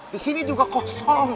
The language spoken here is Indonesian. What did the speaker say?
disini juga kosong